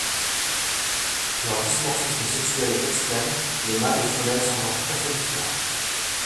Leur dimorphisme sexuel est extrême, les mâles et femelles semblant tout à fait différents.